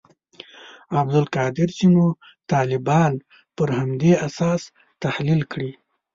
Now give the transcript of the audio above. عبدالقادر سینو طالبان پر همدې اساس تحلیل کړي.